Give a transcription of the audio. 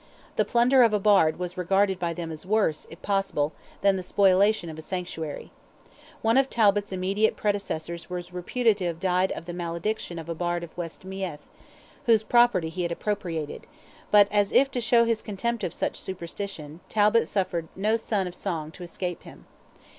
The plunder of a bard was regarded by them as worse, if possible, than the spoliation of a sanctuary. One of Talbot's immediate predecessors was reputed to have died of the malediction of a bard of West Meath, whose property he had appropriated; but as if to show his contempt of such superstition, Talbot suffered no son of song to escape him.